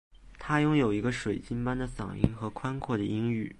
她拥有一个水晶般的嗓音和宽阔的音域。